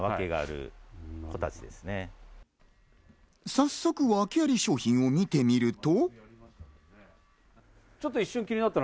早速、訳あり商品を見てみると。